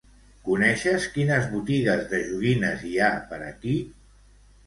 Coneixes quines botigues de joguines hi ha per aquí?